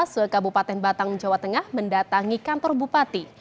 sekabupaten batang jawa tengah mendatangi kantor bupati